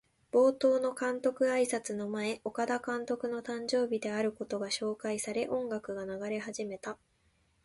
冒頭の監督あいさつの前、岡田監督の誕生日であることが紹介され、音楽が流れ始めた。